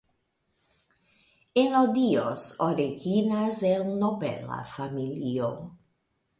Ennodius originas el nobela familio.